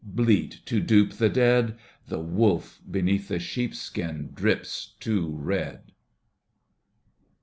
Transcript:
Bleat to dupe the dead ! The wolf beneath the sheepskin drips too red.